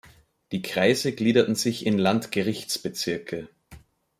Die Kreise gliederten sich in Landgerichtsbezirke.